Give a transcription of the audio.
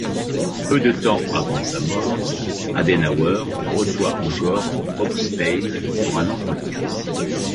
Peu de temps avant sa mort, Adenauer reçoit encore Augstein pour un entretien.